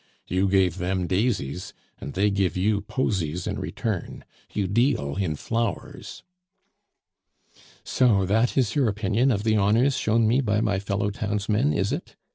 "You gave them daisies, and they give you posies in return; you deal in flowers." "So that is your opinion of the honors shown me by my fellow townsmen, is it?"